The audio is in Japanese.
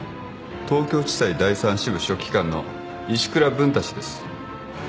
東京地裁第３支部書記官の石倉文太氏です。